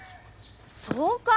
そうか。